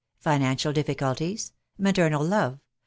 — FINANCIAL DIFFICULTIES. MATERNAL LOVE.